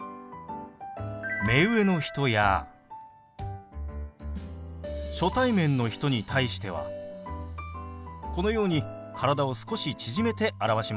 目上の人や初対面の人に対してはこのように体を少し縮めて表しましょう。